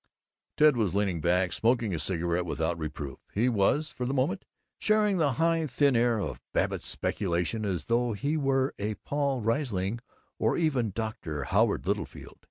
Ted was leaning back, smoking a cigarette without reproof. He was, for the moment, sharing the high thin air of Babbitt's speculation as though he were Paul Riesling or even Dr. Howard Littlefield.